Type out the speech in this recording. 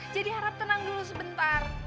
jadi harap tenang dulu sebentar